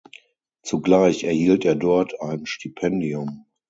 Zugleich erhielt er dort ein Stipendium.